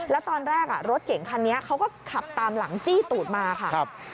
แล้วตอนแรกรถเก่งคันนี้เขาก็ขับตามหลังจี้ตูดมาค่ะ